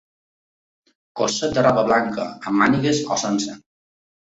Cosset de roba blanca, amb mànigues o sense.